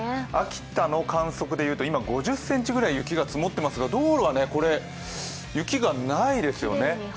秋田の観測でいうと今、５０ｃｍくらい雪が積もってますが道路は雪がないですよね。